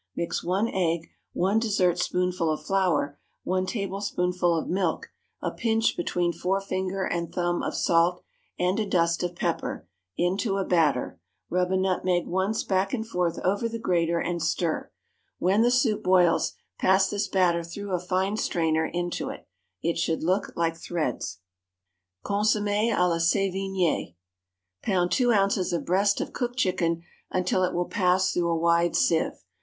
Mix one egg, one dessertspoonful of flour, one tablespoonful of milk, a pinch between forefinger and thumb of salt, and a dust of pepper, into a batter, rub a nutmeg once back and forth over the grater, and stir. When the soup boils, pass this batter through a fine strainer into it. It should look like threads. Consommé à la Sévigné. Pound two ounces of breast of cooked chicken until it will pass through a wide sieve.